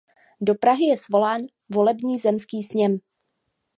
Do Prahy je svolán volební zemský sněm.